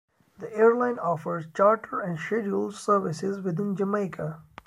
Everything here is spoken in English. The airline offers charter and scheduled services within Jamaica.